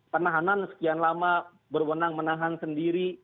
penahanan sekian lama berwenang menahan sendiri